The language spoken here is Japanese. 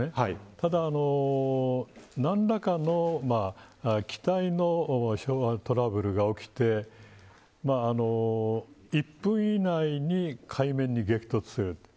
ただ、何らかの機体のトラブルが起きて１分以内に海面に激突する。